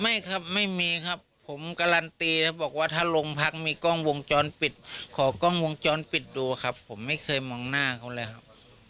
ไม่ครับไม่มีครับผมการันตีแล้วบอกว่าถ้าโรงพักมีกล้องวงจรปิดขอกล้องวงจรปิดดูครับผมไม่เคยมองหน้าเขาเลยครับ